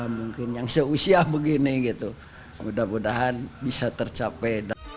mungkin yang seusia begini gitu mudah mudahan bisa tercapai